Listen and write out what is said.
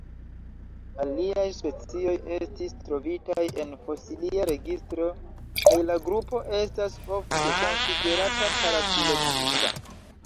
Aliaj specioj estis trovitaj en fosilia registro kaj la grupo estas ofte konsiderata parafiletika.